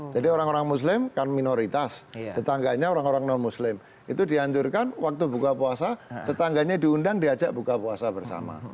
jadi orang orang muslim kan minoritas tetangganya orang orang non muslim itu dihancurkan waktu buka puasa tetangganya diundang diajak buka puasa bersama